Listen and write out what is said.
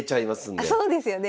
あそうですよね